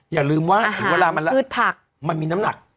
อย่าลืมว่าถึงเวลามันมีน้ำหนัก